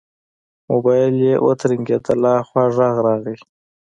موبايل يې وترنګېد له ها خوا غږ راغی.